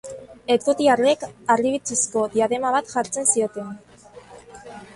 Etruriarrek, harribitxizko diadema bat jartzen zioten.